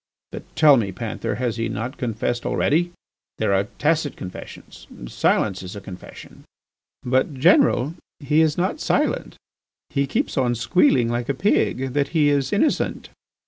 ... But tell me, Panther, has he not confessed already? There are tacit confessions; silence is a confession." "But, General, he is not silent; he keeps on squealing like a pig that he is innocent."